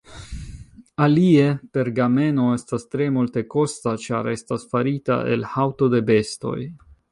Alie, pergameno estas tre multekosta, ĉar estas farita el haŭto de bestoj.